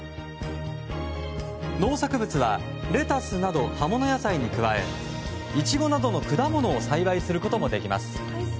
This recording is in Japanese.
農作物はレタスなど葉物野菜に加えイチゴなどの果物を栽培することもできます。